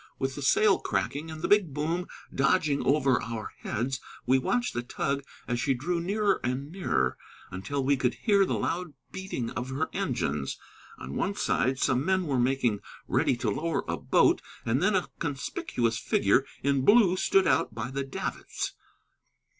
With the sail cracking and the big boom dodging over our heads, we watched the tug as she drew nearer and nearer, until we could hear the loud beating of her engines. On one side some men were making ready to lower a boat, and then a conspicuous figure in blue stood out by the davits.